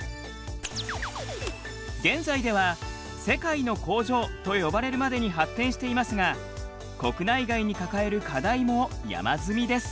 現在では世界の工場と呼ばれるまでに発展していますが国内外に抱える課題も山積みです。